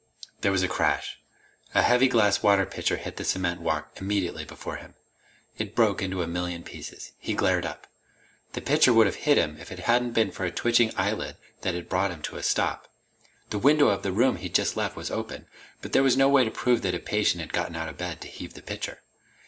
There was a crash. A heavy glass water pitcher hit the cement walk immediately before him. It broke into a million pieces. He glared up. The pitcher would have hit him if it hadn't been for a twitching eyelid that had brought him to a stop. The window of the room he'd just left was open, but there was no way to prove that a patient had gotten out of bed to heave the pitcher.